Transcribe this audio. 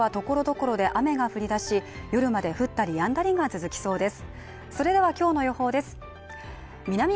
正午過ぎから関東地方ではところどころで雨が降り出し夜まで降ったりやんだりが続きそうです